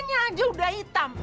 namanya aja udah hitam